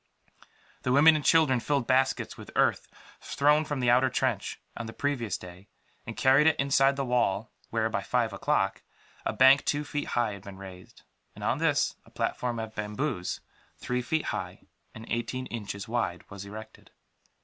The women and children filled baskets with the earth thrown from the outer trench, on the previous day, and carried it inside the wall where, by five o'clock, a bank two feet high had been raised; and on this a platform of bamboos, three feet high and eighteen inches wide was erected.